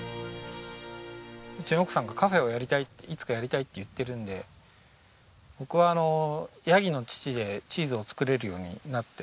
うちの奥さんがカフェをやりたいっていつかやりたいって言ってるんで僕はヤギの乳でチーズを作れるようになって。